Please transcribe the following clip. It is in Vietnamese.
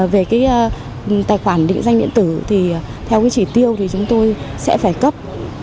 về cái tài khoản định danh điện tử thì theo cái chỉ tiêu thì chúng tôi sẽ phải cấp